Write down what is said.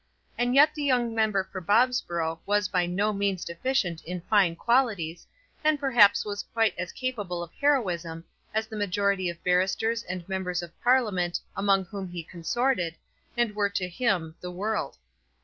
And yet the young member for Bobsborough was by no means deficient in fine qualities, and perhaps was quite as capable of heroism as the majority of barristers and members of Parliament among whom he consorted, and who were to him the world.